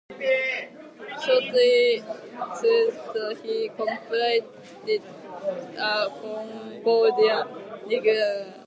Shortly thereafter, he compiled a "Concordia regularum".